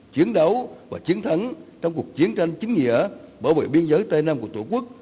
chiến đấu và chiến thắng trong cuộc chiến tranh chính nghĩa bảo vệ biên giới tây nam của tổ quốc